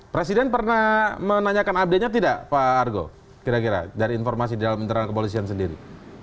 presiden pernah menanyakan update nya tidak pak argo kira kira dari informasi di dalam internal kepolisian sendiri